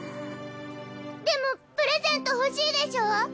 でもプレゼント欲しいでしょ？